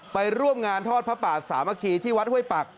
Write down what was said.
ไปร่วมงานทอดพระป่าสามัคคีที่วัดห้วยปัก